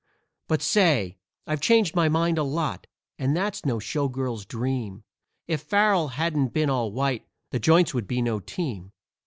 But, say! I've changed my mind a lot, and that's no showgirl's dream; If Farrell hadn't been all white, the Joints would be no team.